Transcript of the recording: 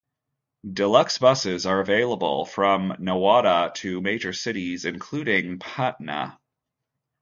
Deluxe buses are available from Nawada to major cities, including Patna.